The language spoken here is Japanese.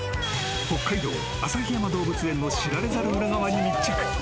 北海道旭山動物園の知られざる裏側に密着。